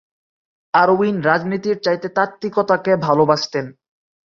Irwin রাজনীতির চাইতে তাত্ত্বিকতাকে ভালোবাসতেন।